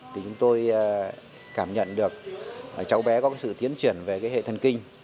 chúng tôi cảm nhận được cháu bé có sự tiến triển về hệ thần kinh